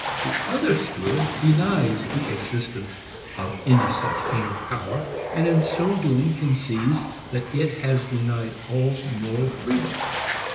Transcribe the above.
The other school denies the existence of any such inner power, and in so doing conceives that it has denied all moral freedom.